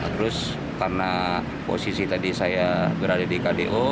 terus karena posisi tadi saya berada di kdo